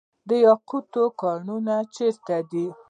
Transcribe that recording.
د یاقوتو کانونه چیرته دي؟